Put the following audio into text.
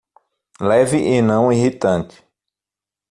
Leve e não irritante